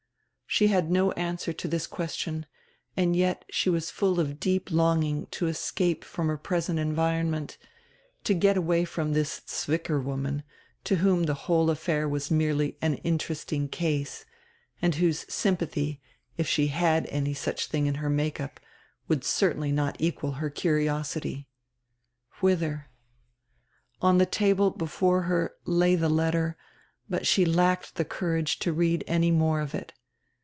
She had no answer to this question, and yet she was full of deep longing to escape from her present environment, to get away from this Zwicker woman, to whom die whole affair was merely "an interesting case," and whose sympathy, if she had any such tiling in her make up, would certainly not equal her curiosity. "Whither?" On die table before her lay die letter, but she lacked die courage to read any more of it.